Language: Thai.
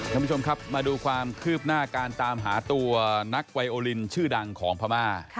ท่านผู้ชมครับมาดูความคืบหน้าการตามหาตัวนักไวโอลินชื่อดังของพม่า